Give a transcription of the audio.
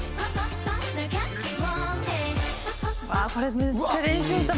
「これめっちゃ練習した。